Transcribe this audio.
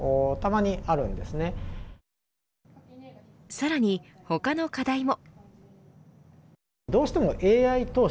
さらに他の課題も。